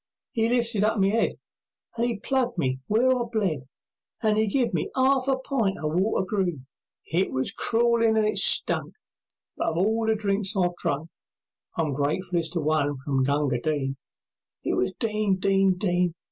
'E lifted up my head, And 'e plugged me where I bled, And 'e gave me 'arf a pint o' water green; It was crawlin' and it stunk, But of all the drinks I've drunk, I'm gratefullest to one from Gunga Din. It was "Din! Din! Din!